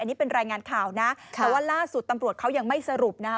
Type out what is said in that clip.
อันนี้เป็นรายงานข่าวนะแต่ว่าล่าสุดตำรวจเขายังไม่สรุปนะคะ